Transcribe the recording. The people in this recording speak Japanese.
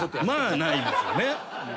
まあないですよね。